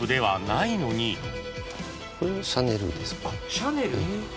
シャネル！